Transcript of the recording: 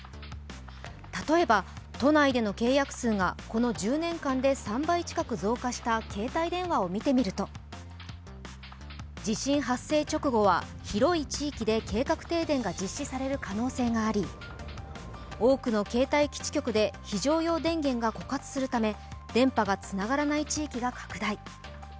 例えば都内での契約数がこの１０年間で３倍近く増加した携帯電話を見てみると地震発生直後は広い地域で計画停電が実施される可能性があり多くの携帯基地局で非常用電源が枯渇するため電波がつながらない地域が拡大。